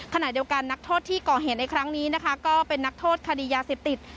ขณะเดียวกันนักโทษที่ก่อเหตุในครั้งนี้นะคะก็เป็นนักโทษคดียาเสพติด